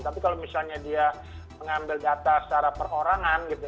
tapi kalau misalnya dia mengambil data secara perorangan gitu